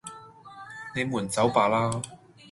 你們走吧啦!